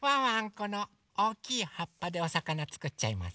このおおきいはっぱでおさかなつくっちゃいます。